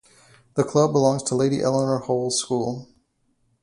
The club belongs to Lady Eleanor Holles School.